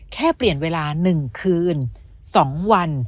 แค่เปลี่ยนเวลา๑คืน๒วัน